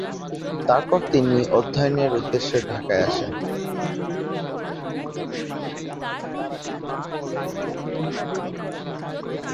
তারপর তিনি অধ্যয়নের উদ্দেশ্যে ঢাকায় আসেন।